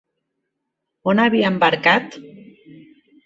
On havia embarcat?